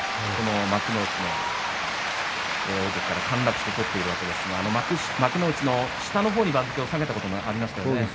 丸３年、この幕内の大関から陥落しているわけですが幕内の下の方に番付を下げたこともありましたよね。